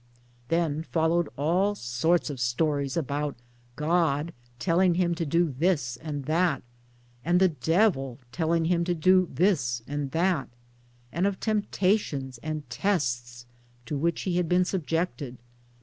Then followed all sorts of stories about God telling him to do this and that, and the Devil telling him to do this and that, and of temptations and tests to which he had been subjected.